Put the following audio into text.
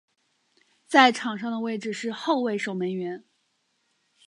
在场上的位置是后卫守门员。